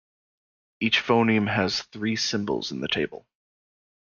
Each phoneme has three symbols in the table.